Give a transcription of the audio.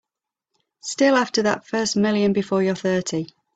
Still after that first million before you're thirty.